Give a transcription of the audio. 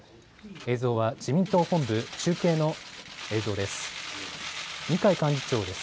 映像は自民党本部、中継の映像です。